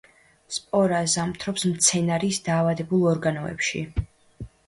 სპორა ზამთრობს მცენარის დაავადებულ ორგანოებში.